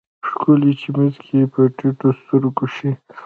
ښکلے چې مسکې په ټيټو سترګو شي